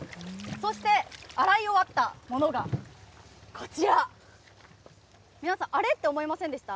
そして、洗い終わったものがこちら、皆さん、あれ？って思いませんでした？